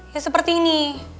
ya seperti ini